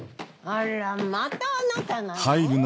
あらまたあなたなの？